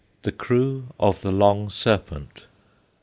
THE CREW OF THE LONG SERPENT.